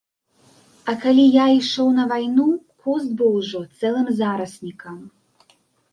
А калі я ішоў на вайну, куст быў ужо цэлым зараснікам.